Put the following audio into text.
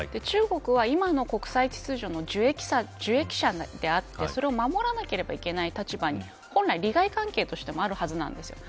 中国は、今の国際秩序の受益者であって、それを守らなければいけない立場に本来、利害関係としてもあるはずなんです。